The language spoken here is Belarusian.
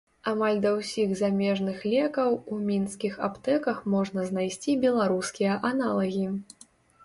Амаль да ўсіх замежных лекаў у мінскіх аптэках можна знайсці беларускія аналагі.